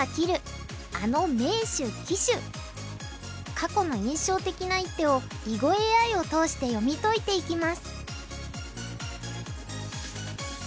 過去の印象的な一手を囲碁ＡＩを通して読み解いていきます。